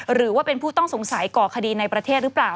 หรือว่าเป็นผู้ต้องสงสัยก่อคดีในประเทศหรือเปล่า